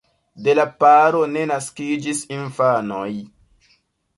De la paro ne naskiĝis infanoj.